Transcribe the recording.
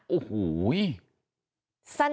โอ้โห